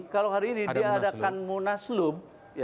kalau hari ini diadakan munaslub